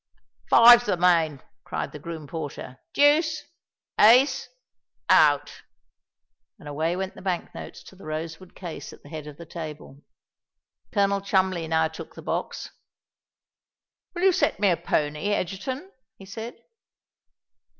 "Five's the main," cried the groom porter: "deuce, ace—out." And away went the bank notes to the rosewood case at the head of the table. Colonel Cholmondeley now took the box. "Will you set me a pony, Egerton?" he said.